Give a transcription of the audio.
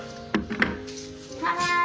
はい。